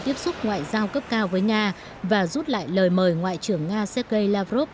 tiếp xúc ngoại giao cấp cao với nga và rút lại lời mời ngoại trưởng nga sergei lavrov